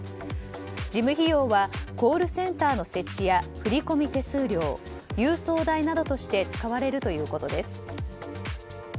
事務費用はコールセンターの設置や振込手数料郵送代などとして使われるということです。